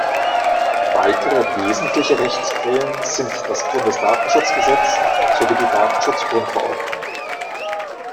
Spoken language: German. Weitere wesentliche Rechtsquellen sind das Bundesdatenschutzgesetz sowie die Datenschutz-Grundverordnung.